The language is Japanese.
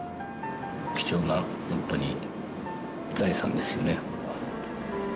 貴重なホントに財産ですよね。